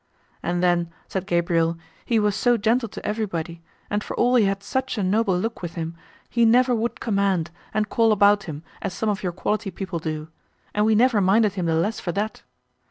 And then, said Gabriel, he was so gentle to everybody, and, for all he had such a noble look with him, he never would command, and call about him, as some of your quality people do, and we never minded him the less for that.